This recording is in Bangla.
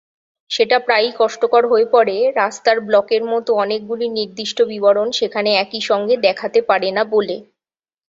সেটা প্রায়ই কষ্টকর হয়ে পড়ে, রাস্তার ব্লকের মতো অনেকগুলি নির্দিষ্ট বিবরণ সেখানে একই সঙ্গে দেখাতে পারে না বলে।